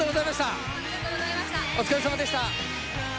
お疲れさまでした。